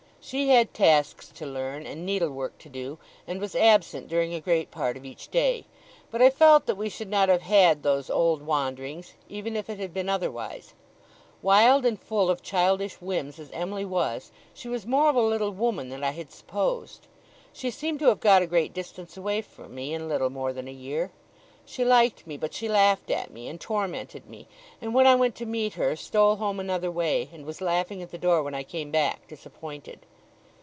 She had tasks to learn, and needle work to do; and was absent during a great part of each day. But I felt that we should not have had those old wanderings, even if it had been otherwise. Wild and full of childish whims as Em'ly was, she was more of a little woman than I had supposed. She seemed to have got a great distance away from me, in little more than a year. She liked me, but she laughed at me, and tormented me; and when I went to meet her, stole home another way, and was laughing at the door when I came back, disappointed.